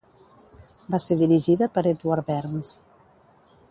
Va ser dirigida per Edward Bernds.